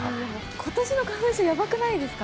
今年の花粉症やばくないですか？